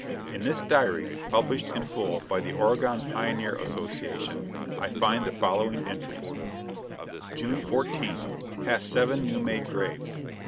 In this diary, published in full by the Oregon Pioneer Association, I find the following entries: June 14. Passed seven new made graves.